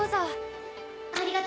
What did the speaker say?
ありがとう。